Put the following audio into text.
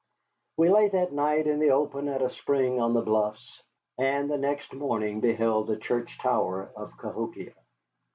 We lay that night in the open at a spring on the bluffs, and the next morning beheld the church tower of Cahokia.